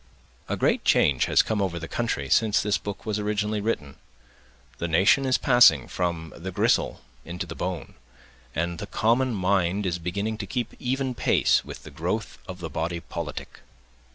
A great change has come over the country since this book was originally written. The nation is passing from the gristle into the bone, and the common mind is beginning to keep even pace with the growth of the body politic.